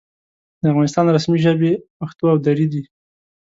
د افغانستان رسمي ژبې پښتو او دري دي.